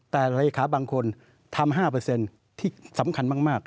แต่เลขาบางคนทำ๕ที่สำคัญมาก